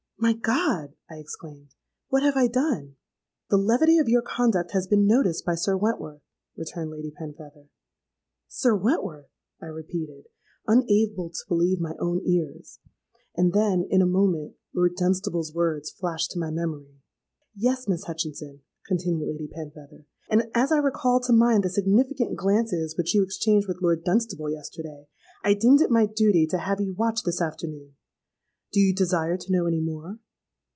'—'My God!' I exclaimed; 'what have I done?'—'The levity of your conduct has been noticed by Sir Wentworth,' returned Lady Penfeather.—'Sir Wentworth!' I repeated, unable to believe my own ears; and then, in a moment, Lord Dunstable's words flashed to my memory.—'Yes, Miss Hutchinson,' continued Lady Penfeather; 'and as I recalled to mind the significant glances which you exchanged with Lord Dunstable yesterday, I deemed it my duty to have you watched this afternoon. Do you desire to know any more?'